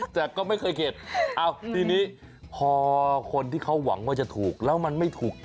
แต่ก็ไม่เคยเก็บทีนี้พอคนที่เขาหวังว่าจะถูกแล้วมันไม่ถูก